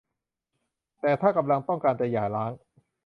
แต่ถ้ากำลังต้องการจะหย่าร้าง